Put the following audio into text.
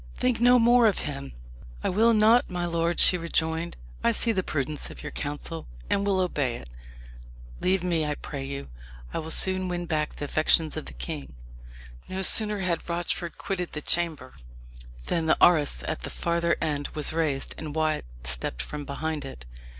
think no more of him." "I will not, my lord," she rejoined; "I see the prudence of your counsel, and will obey it. Leave me, I pray you. I will soon win back the affections of the king." No sooner had Rochford quitted the chamber than the arras at the farther end was raised, and Wyat stepped from behind it.